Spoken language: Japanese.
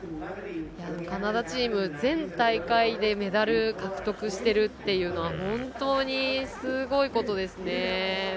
カナダチーム、全大会でメダル獲得してるというのは本当にすごいことですね。